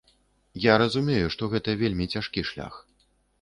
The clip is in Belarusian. Я разумею, што гэта вельмі цяжкі шлях.